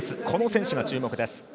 この選手が注目です。